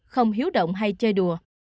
không hiếu động hay chơi đùa